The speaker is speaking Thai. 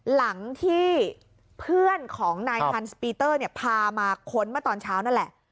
หลังที่เพื่อนของนายฮันสปีเตอร์เนี่ยพามาค้นเมื่อตอนเช้านั่นแหละ